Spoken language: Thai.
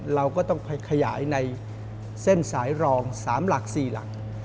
เราก็ต้องไปขยายในเส้นสายรอง๓หลัก๔หลัก